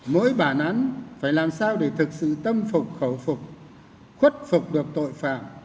mỗi bản án phải làm sao để thực sự tâm phục khẩu phục khuất phục được tội phạm